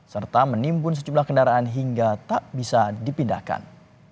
serta menimbun sejumlah kendaraan hingga tak bisa dipindahkan